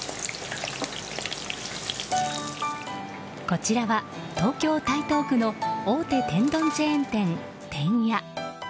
こちらは東京・台東区の大手天丼チェーン店、てんや。